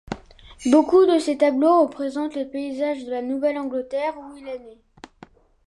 Beaucoup de ses tableaux représentent les paysages de la Nouvelle-Angleterre, où il est né.